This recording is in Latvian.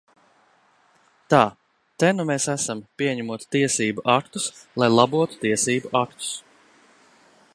Tā, te nu mēs esam, pieņemot tiesību aktus, lai labotu tiesību aktus.